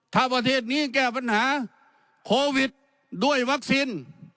ถ้าประเทศนี้แก้ปัญหาโควิดด้วยวัคซีน